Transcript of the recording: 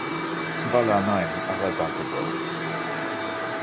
Vallah Nein, aber danke Bro.